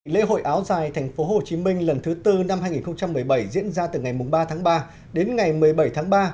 lễ hội áo dài tp hcm lần thứ tư năm hai nghìn một mươi bảy diễn ra từ ngày ba tháng ba đến ngày một mươi bảy tháng ba